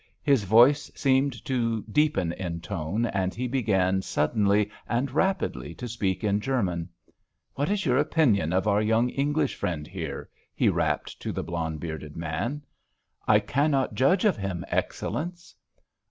His voice seemed to deepen in tone, and he began suddenly and rapidly to speak in German. "What is your opinion of our young English friend here?" he rapped to the blond bearded man. "I cannot judge of him, Excellence."